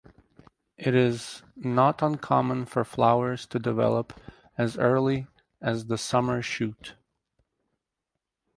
It is not uncommon for flowers to develop as early as the summer shoot.